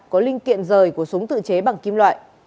có linh kiện rời của súng tự chế bằng kim loại